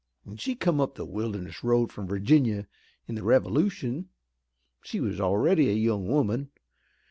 When she come up the Wilderness Road from Virginia in the Revolution she was already a young woman.